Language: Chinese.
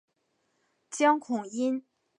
江孔殷。